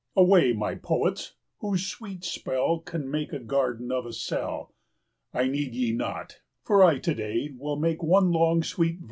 Away, my poets, whose sweet spell 15 Can make a garden of a cell! I need ye not, for I to day Will make one long sweet verse of play.